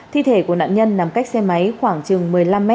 thi thể của nạn nhân nằm cách xe máy khoảng chừng một mươi năm m